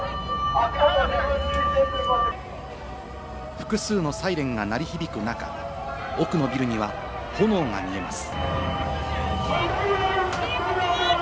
複数のサイレンが鳴り響く中、奥のビルには炎が見えます。